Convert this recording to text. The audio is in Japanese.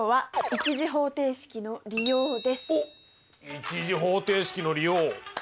おっ１次方程式の利用！